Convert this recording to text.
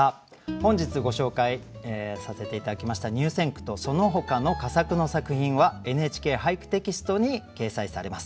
本日ご紹介させて頂きました入選句とそのほかの佳作の作品は「ＮＨＫ俳句」テキストに掲載されます。